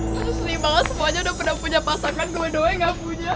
seneng banget semuanya udah punya pasangan gue doangnya gak punya